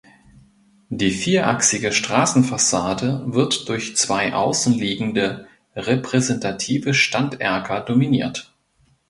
Die vierachsige Straßenfassade wird durch zwei außenliegende repräsentative Standerker dominiert.